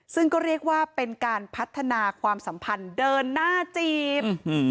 ซึ่งก็เรียกว่าเป็นการพัฒนาความสัมพันธ์เดินหน้าจีบ